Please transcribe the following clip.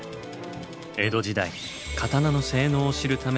江戸時代刀の性能を知るために行われたこと。